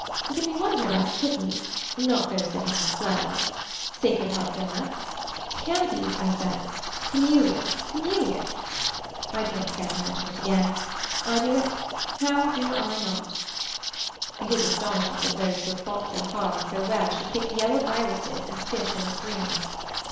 Can we wonder about cookies. Not those that have no flour. Sacred heart doughnuts. Pansies I said. Camelias. Camelias. I do not care to mention it again. I do it. How do I not. It is astonishing that those who have fought so hard and so well should pick yellow irises and fish in a stream.